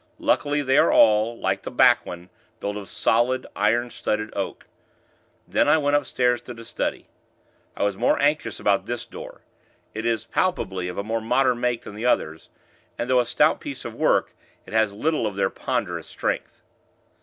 Luckily, they are all, like the back one, built of solid, iron studded oak. Then, I went upstairs to the study. I was more anxious about this door. It is, palpably, of a more modern make than the others, and, though a stout piece of work, it has little of their ponderous strength.